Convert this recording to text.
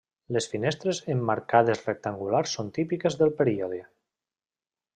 Les finestres emmarcades rectangulars són típiques del període.